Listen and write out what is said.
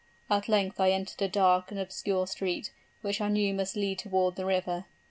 At length I entered a dark and obscure street, which I knew must lead toward the river.